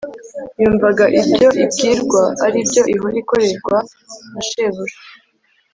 yumvaga ibyo ibwirwa ari byo ihora ikorerwa na shebuja.